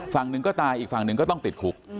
ฝั่งหนึ่งก็ตายอีกฝั่งหนึ่งก็ต้องติดคุก